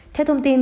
theo thông tin